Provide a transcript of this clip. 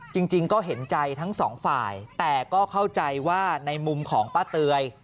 จริงก็เห็นใจทั้งสองฝ่ายแต่ก็เข้าใจว่าในมุมของป้าเตย